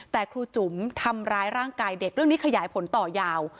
แต่ครูจุ๋มทำร้ายร่างกายเด็กเรื่องนี้ขยายผลต่อยาว